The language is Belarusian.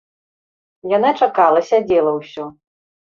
Яна чакала, сядзела ўсё.